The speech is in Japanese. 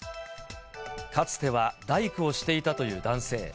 かつては大工をしていたという男性。